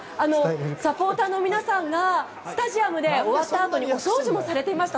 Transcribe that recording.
サポーターの皆さんがスタジアムで終わったあとにお掃除をされていました。